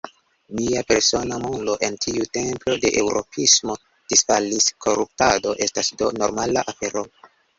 Mia persona mondo, en tiu templo de eŭropismo, disfalis: koruptado estas do normala afero.